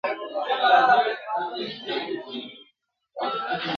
د بدو سترګو مخ ته سپر د سپیلینيو درځم !.